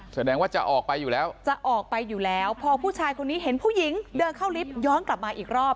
แสดงว่าจะออกไปอยู่แล้วจะออกไปอยู่แล้วพอผู้ชายคนนี้เห็นผู้หญิงเดินเข้าลิฟต์ย้อนกลับมาอีกรอบ